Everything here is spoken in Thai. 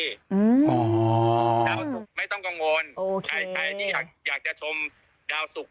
ดาวสุขไม่ต้องกังวลใครที่อยากจะชมดาวสุข